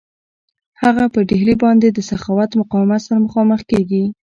هغه پر ډهلي باندي د سخت مقاومت سره مخامخ کیږي.